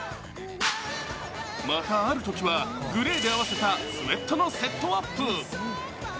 またあるときは、グレーで合わせたスエットのセットアップ。